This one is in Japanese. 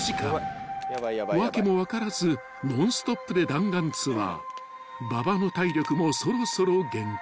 ［訳も分からずノンストップで弾丸ツアー］［馬場の体力もそろそろ限界］